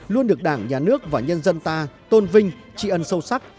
luôn được đảng nhà nước và nhân dân ta tôn vinh tri ân sâu sắc